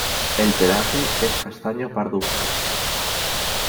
El pelaje es castaño parduzco.